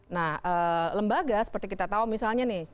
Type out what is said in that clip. nah lembaga seperti kita tahu misalnya nih